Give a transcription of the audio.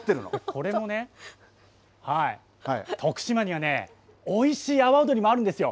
これもね、徳島にはねおいしい阿波尾鶏もあるんですよ。